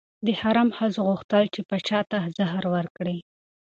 د حرم ښځو غوښتل چې پاچا ته زهر ورکړي.